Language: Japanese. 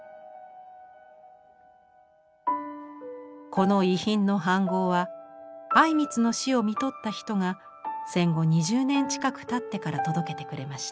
この遺品の飯ごうは靉光の死をみとった人が戦後２０年近くたってから届けてくれました。